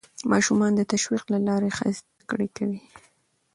ماشومان د تشویق له لارې ښه زده کړه کوي